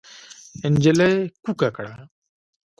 نجلۍ کوکه کړه.